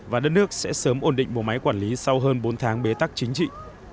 và đất nước sẽ sớm ổn định bộ máy quản lý sau hơn bốn tháng bế tắc chính trị